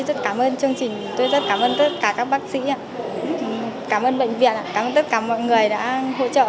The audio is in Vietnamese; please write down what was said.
tôi rất cảm ơn chương trình tôi rất cảm ơn tất cả các bác sĩ cảm ơn bệnh viện cảm ơn tất cả mọi người đã hỗ trợ